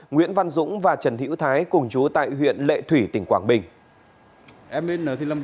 nguyễn văn dũng và trần hữu thái cùng chú tại huyện lệ thủy tỉnh quảng bình